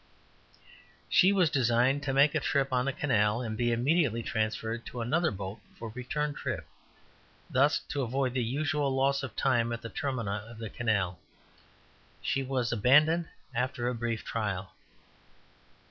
She was designed to make a trip on the canal, and be immediately transferred to another boat for return trip, thus to avoid the usual loss of time at the termini of the canal. She was abandoned after a brief trial.